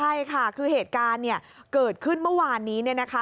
ใช่ค่ะคือเหตุการณ์เกิดขึ้นเมื่อวานนี้